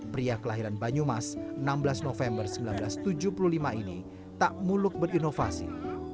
pria kelahiran banyumas enam belas november seribu sembilan ratus tujuh puluh lima ini tak muluk berinovasi